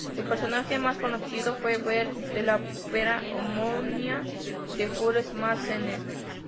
Su personaje más conocido fue Werther, de la ópera homónima de Jules Massenet.